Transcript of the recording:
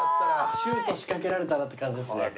シュート仕掛けられたなって感じです。